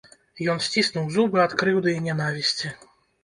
Ён сціснуў зубы ад крыўды і нянавісці.